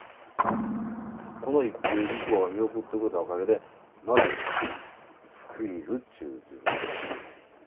この１球向こうが見送ってくれたおかげでまずスクイズっちゅうきましたですね。